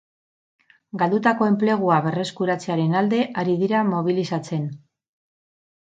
Galdutako enplegua berreskuratzearen alde ari dira mobilizatzen.